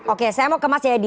oke saya mau ke mas jayadi